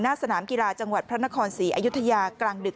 สนามกีฬาจังหวัดพระนครศรีอยุธยากลางดึก